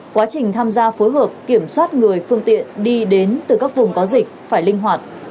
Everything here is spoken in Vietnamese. quá trình tham gia phối hợp kiểm soát người phương tiện đi đến từ các vùng có dịch phải linh hoạt